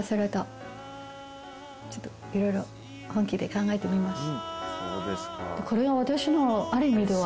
ちょっといろいろ本気で考えてみます。